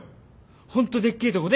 ホントでっけえとこで！